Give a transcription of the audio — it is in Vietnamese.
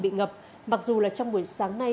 bị ngập mặc dù là trong buổi sáng nay